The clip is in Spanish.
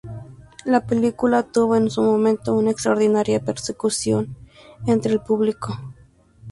La película tuvo en su momento una extraordinaria repercusión entre el público.